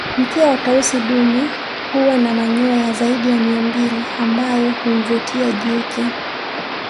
Mkia wa Tausi dume huwa na manyoya zaidi ya mia mbili ambayo humvutia jike